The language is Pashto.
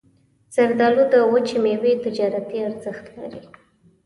زردالو د وچې میوې تجارتي ارزښت لري.